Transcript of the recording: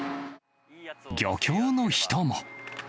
漁協の人も。